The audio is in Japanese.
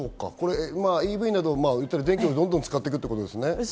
ＥＶなど電気をどんどん使っていくわけですよね。